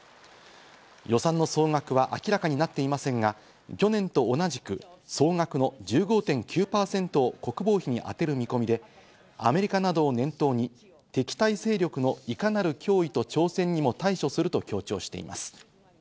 予算の総額は明らかになっていませんが、去年と同じく総額の１５．９％を国防費にあてる見込みで、アメリカなどを念頭に敵対勢力のいかなる脅威と挑戦にも対処すると強調しています。